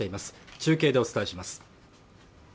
中継でお伝えします